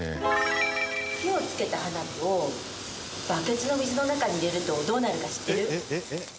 火をつけた花火をバケツの水の中に入れるとどうなるか知ってる？